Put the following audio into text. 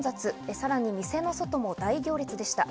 さらに店の外も大行列でした。